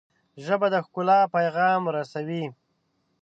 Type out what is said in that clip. ژبه د ښکلا پیغام رسوي